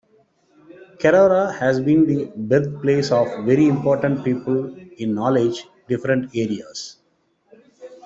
Carora has been the birthplace of very important people in knowledge different areas.